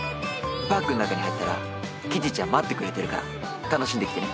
パークの中に入ったらキティちゃん待ってくれてるから楽しんできてね。